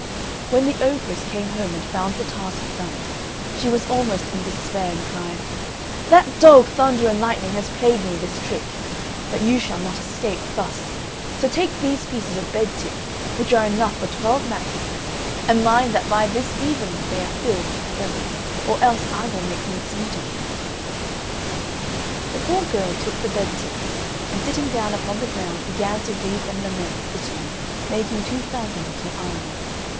When the ogress came home and found the task done, she was almost in despair, and cried, "That dog Thunder and Lightning has played me this trick; but you shall not escape thus! So take these pieces of bed tick, which are enough for twelve mattresses, and mind that by this evening they are filled with feathers, or else I will make mincemeat of you." The poor girl took the bed ticks, and sitting down upon the ground began to weep and lament bitterly, making two fountains of her eyes.